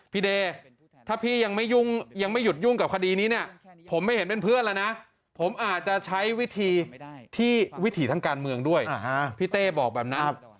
เดย์ถ้าพี่ยังไม่ยุ่งยังไม่หยุดยุ่งกับคดีนี้เนี่ยผมไม่เห็นเป็นเพื่อนแล้วนะผมอาจจะใช้วิธีที่วิถีทางการเมืองด้วยพี่เต้บอกแบบนั้น